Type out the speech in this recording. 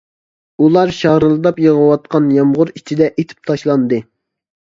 ئۇلار شارىلداپ يېغىۋاتقان يامغۇر ئىچىدە ئېتىپ تاشلاندى.